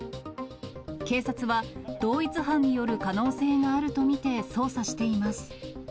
警察は、同一犯による可能性があると見て捜査しています。